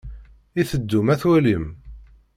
I teddum ad twalim?